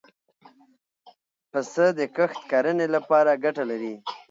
پسه د کښت کرنې له پاره ګټه لري.